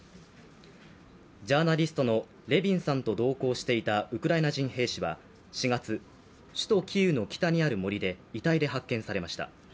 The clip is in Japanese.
ジャーナリストのレヴィンさんと同行していたウクライナ人兵士は４月、首都キーウの北にある森で遺体で発見されました。